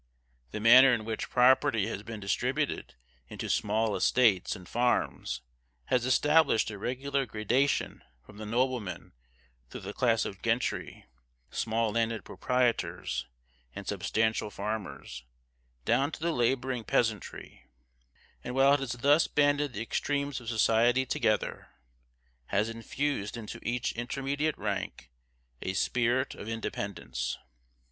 The manner in which property has been distributed into small estates and farms has established a regular gradation from the noblemen, through the classes of gentry, small landed proprietors, and substantial farmers, down to the laboring peasantry; and while it has thus banded the extremes of society together, has infused into each intermediate rank a spirit of independence.